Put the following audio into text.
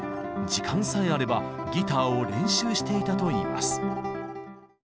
時間さえあればギターを練習していたといいます。